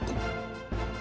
apa bedanya dengan kau